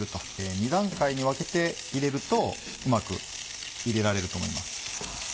２段階に分けて入れるとうまく入れられると思います。